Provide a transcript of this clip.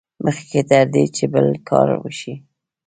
مخکې تر دې چې بل کار وشي.